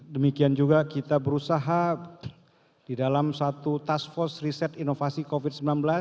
demikian juga kita berusaha di dalam satu task force riset inovasi covid sembilan belas